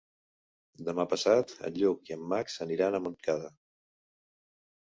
Demà passat en Lluc i en Max aniran a Montcada.